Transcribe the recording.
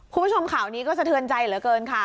คุณผู้ชมข่าวนี้ก็สะเทือนใจเหลือเกินค่ะ